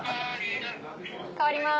代わります。